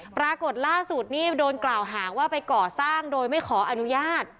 ปรากฏล่าสุดนี่โดนกล่าวหาว่าไปก่อสร้างโดยไม่ขออนุญาต